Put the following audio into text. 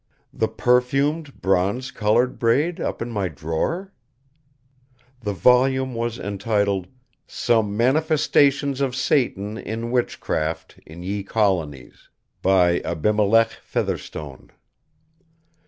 The perfumed bronze colored braid up in my drawer ? The volume was entitled "Some Manifestations of Satan in Witchcraft in Ye Colonies," by Abimelech Fetherstone.